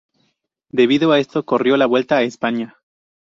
Debido a esto corrió la Vuelta a España.